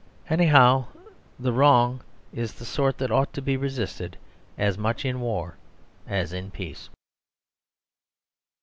Anyhow, the wrong is of the sort that ought to be resisted, as much in war as in peace.